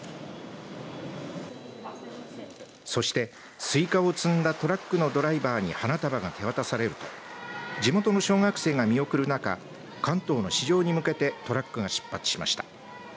そしてすいかを積んだトラックのドライバーに花束が手渡されると地元の小学生が見送る中関東の市場に向けてトラックが出発しました。